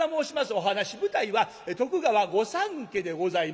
お噺舞台は徳川御三家でございます。